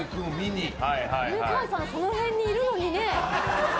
犬飼さん、その辺にいるのにね。